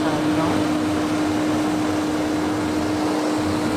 ka e kwùrù na ọ gbàrà ahọ iri atọ na anọ